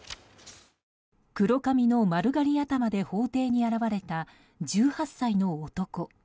黒髪の丸刈り頭で法廷に現れた１８歳の男。